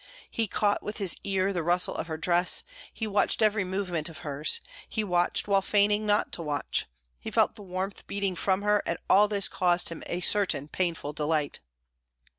He caught with his ear the rustle of her dress; he watched every movement of hers, he watched while feigning not to watch; he felt the warmth beating from her, and all this caused him a certain painful delight.